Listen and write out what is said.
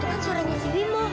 itu kan suaranya si bimo